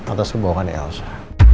atas kebohongan elsa